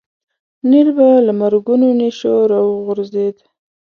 نیل به له مرګونو نېشو راوغورځېد.